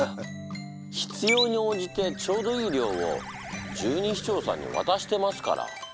必要に応じてちょうどいい量を十二指腸さんにわたしてますから！